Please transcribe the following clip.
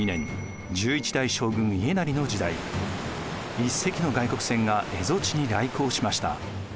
１隻の外国船が蝦夷地に来航しました。